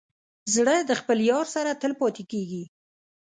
زړه د خپل یار سره تل پاتې کېږي.